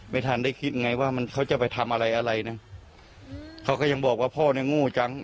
ไม่ทันได้คิดไงว่ามันเขาจะไปทำอะไรอะไรนะเขาก็ยังบอกว่าพ่อเนี่ยโง่จัง